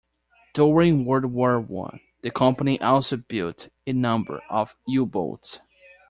During World War One the company also built a number of U-boats.